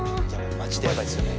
マジでヤバいですよね。